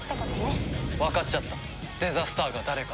わかっちゃったデザスターが誰か。